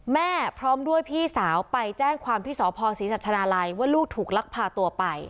พร้อมด้วยพี่สาวไปแจ้งความที่สพศรีสัชนาลัยว่าลูกถูกลักพาตัวไป